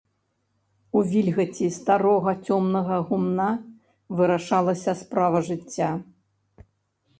У вільгаці старога цёмнага гумна вырашалася справа жыцця.